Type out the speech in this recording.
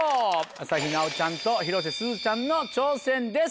朝日奈央ちゃんと広瀬すずちゃんの挑戦です。